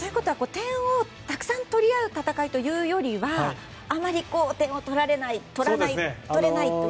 点をたくさん取り合う戦いというよりはあまり点を取られない取れないような？